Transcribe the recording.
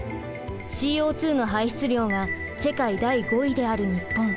ＣＯ２の排出量が世界第５位である日本。